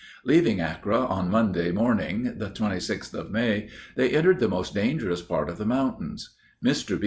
Leaving Akkre on Monday morning, the 26th of May, they entered the most dangerous part of the mountains. Mr.